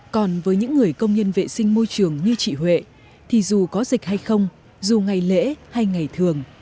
còn với những người công nhân vệ sinh môi trường như chị huệ thì dù có dịch hay không dù ngày lễ hay ngày thường